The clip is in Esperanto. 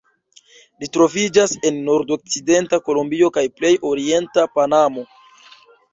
Ĝi troviĝas en nordokcidenta Kolombio kaj plej orienta Panamo.